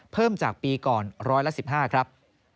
เพิ่มจากปีก่อนร้อยละ๑๕ครับ